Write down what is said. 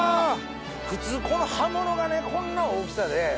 普通この葉物がねこんな大きさで。